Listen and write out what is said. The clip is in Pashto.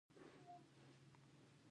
دغه سپک د خپل تپوس نۀ دي